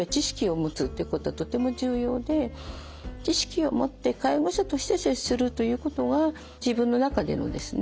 知識を持って介護者として接するということが自分の中でのですね